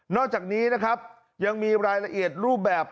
อกจากนี้นะครับยังมีรายละเอียดรูปแบบ